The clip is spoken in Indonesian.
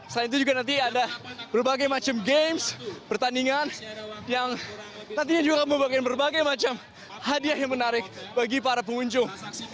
selain itu juga nanti ada berbagai macam games pertandingan yang nantinya juga membagikan berbagai macam hadiah yang menarik bagi para pengunjung